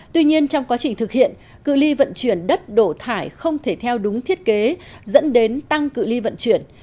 tuy nhiên trong quá trình thực hiện cự li vận chuyển đất đổ thải không thể theo đúng thiết kế dẫn đến tăng cự li vận chuyển